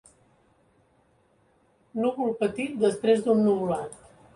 Núvol petit desprès d'un nuvolat.